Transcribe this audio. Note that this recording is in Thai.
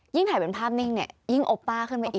ยิ่งถ่ายเป็นภาพนิ่งยิ่งโอป้าขึ้นไว้อีก